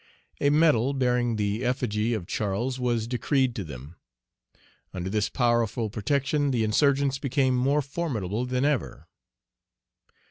A medal, bearing the effigy of Charles, was decreed to them. Under this powerful protection, the insurgents became more formidable than ever.